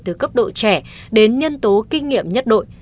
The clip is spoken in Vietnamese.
từ cấp độ trẻ đến nhân tố kinh nghiệm nhất đội